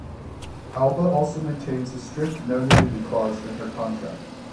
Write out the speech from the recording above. Alba also maintains a strict no-nudity clause in her contract.